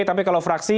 tapi kalau fraksi